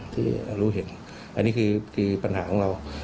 ที่รู้เห็นอันนี้คือปัญหาของเรา